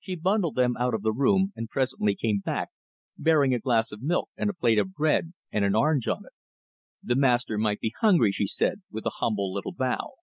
She bundled them out of the room, and presently came back, bearing a glass of milk and a plate with bread and an orange on it. The master might be hungry, she said, with a humble little bow.